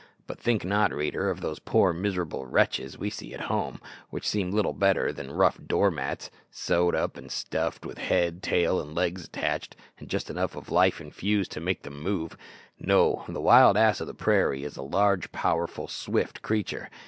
But think not, reader, of those poor miserable wretches we see at home, which seem little better than rough door mats sewed up and stuffed, with head, tail, and legs attached, and just enough of life infused to make them move! No, the wild ass of the prairie is a large powerful, swift creature.